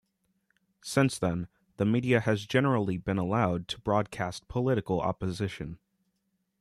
Since then, the media has generally been allowed to broadcast political opposition.